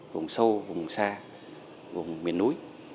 vùng sâu vùng xa vùng miền núi